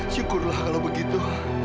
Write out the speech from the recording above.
syukurlah kalau begitu